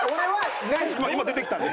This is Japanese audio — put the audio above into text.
今出てきたんで。